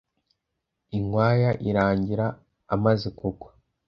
inkwaya irangira amaze kugwa.